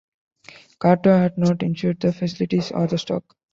Carto had not insured the facilities or the stock.